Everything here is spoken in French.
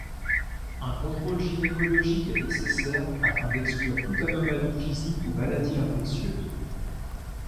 Un contrôle gynécologique est nécessaire, afin d'exclure toute anomalie physique ou maladie infectieuse.